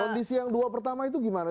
kondisi yang dua pertama itu gimana